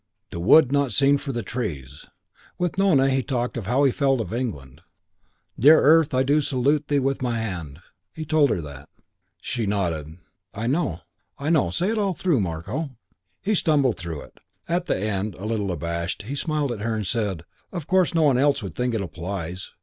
The wood not seen for the trees. With Nona he talked of how he felt of England: Dear earth, I do salute thee with my hand. He told her that. She nodded. "I know. I know. Say it all through, Marko." He stumbled through it. At the end, a little abashed, he smiled at her and said, "Of course, no one else would think it applies.